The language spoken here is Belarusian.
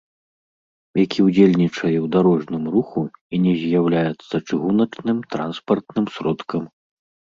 Які ўдзельнічае ў дарожным руху і не з'яўляецца чыгуначным транспартным сродкам